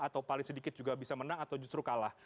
atau paling sedikit juga bisa menang atau justru kalah